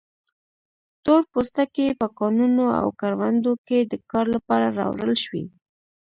تور پوستکي په کانونو او کروندو کې د کار لپاره راوړل شوي.